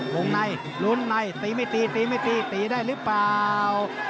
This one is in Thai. วงในลุ้นในตีไม่ตีตีไม่ตีตีได้หรือเปล่า